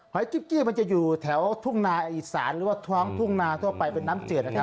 จุ๊กกี้มันจะอยู่แถวทุ่งนาอีสานหรือว่าท้องทุ่งนาทั่วไปเป็นน้ำเจือดนะครับ